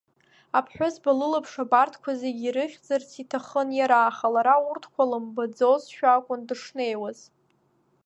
Аԥҳәызба лылаԥш абарҭқәа зегьы ирыхьӡарц иҭахын иара, аха лара урҭқәа лымбаӡозшәа акәын дышнеиуаз.